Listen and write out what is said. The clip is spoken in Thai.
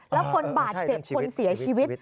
แล้วคนบาดเจ็บคนเสียชีวิต